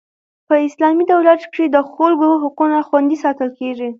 په اسلامي دولت کښي د خلکو حقونه خوندي ساتل کیږي.